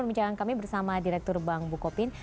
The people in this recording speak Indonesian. berminat dengan kami bersama direktur bank bukopin